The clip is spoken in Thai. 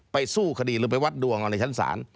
สู้คดีหรือไปวัดดวงเอาในชั้นศาล